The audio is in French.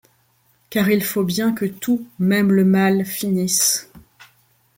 Car il faut bien que tout, même le mal, finisse